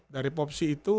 dari popsi itu